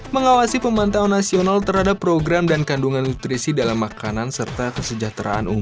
mengawasi pemantauan nasional terhadap program dan kandungan nutrisi dalam makanan serta kesejahteraan